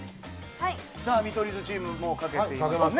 見取り図チーム、もう書けていますね。